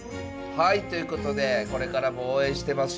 はいということでこれからも応援してます。